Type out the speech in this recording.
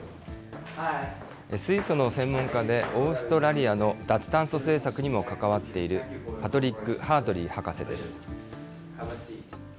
水素の専門家で、オーストラリアの脱炭素政策にも関わっている、パトリック・ハートリー博士です。